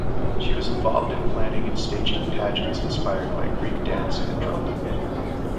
She was involved in planning and staging pageants inspired by Greek dance and drama.